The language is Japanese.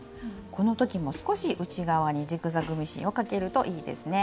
この時も少し内側にジグザグミシンをかけるといいですね。